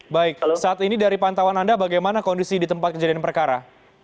baik saat ini dari pantauan anda bagaimana kondisi di tempat kejadian perkara